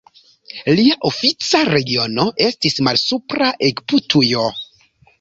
Lia ofica regiono estis Malsupra Egiptujo.